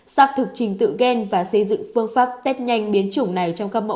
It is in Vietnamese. xác thực trình tự ghen và xây dựng phương pháp test nhanh biến chủng này